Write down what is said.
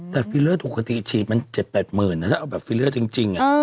แต่ฟิลเลอร์ถูกคติฉีดมัน๗๘๐๐๐๐นะแบบฟิลเลอร์จริง